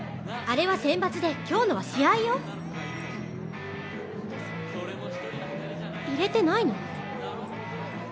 あれは選抜で今日のは試合よ入れてないの？